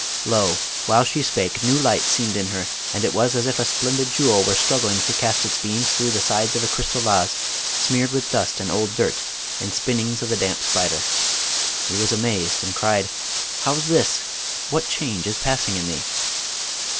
Lo! while she spake, new light seemed in her; and it was as if a splendid jewel were struggling to cast its beams through the sides of a crystal vase smeared with dust and old dirt and spinnings of the damp spider. He was amazed, and cried, 'How's this? What change is passing in thee?'